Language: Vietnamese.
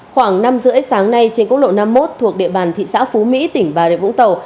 khoảng năm h ba mươi sáng nay trên quốc lộ năm mươi một thuộc địa bàn thị xã phú mỹ tỉnh bà rịa vũng tàu